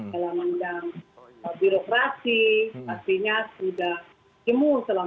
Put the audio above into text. dalam bidang pembangunan dalam bidang birokrasi